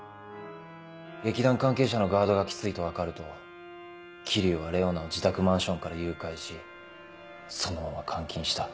劇団関係者のガードがキツいと分かると霧生はレオナを自宅マンションから誘拐しそのまま監禁した。